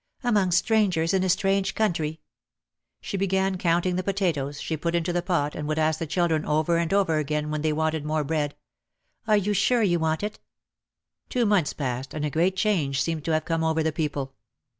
"Among strangers in a strange country." She began counting the potatoes she put into the pot and would ask the children over and over again when they wanted more bread, "Are you sure you want it?" Two months passed and a great change seemed to have come over the people.